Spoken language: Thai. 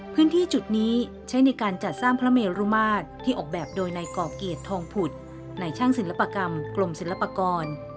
พื้นที่จุดนี้ใช้ในการจัดสร้างพระเมรุมาตรที่ออกแบบโดยในก่อเกียรติทองผุดในช่างศิลปกรรมกรมศิลปากร